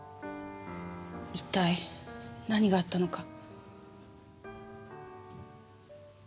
一体何があったのか。